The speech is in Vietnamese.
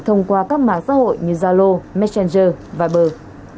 thông qua các mạng xã hội như zalo messenger vàber